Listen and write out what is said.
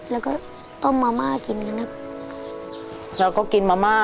แล้วก็ต้มมะม่ากินกันครับแล้วก็กินมะม่า